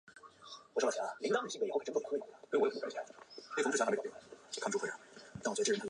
白石一文目前与妻子住在东京。